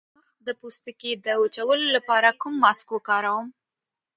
د مخ د پوستکي د وچوالي لپاره کوم ماسک وکاروم؟